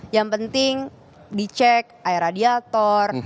yang penting dicek air radiator